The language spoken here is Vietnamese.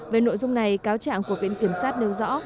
về nội dung này cáo trạng của viện kiểm sát nêu rõ